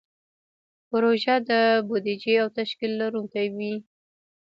پروژه د بودیجې او تشکیل لرونکې وي.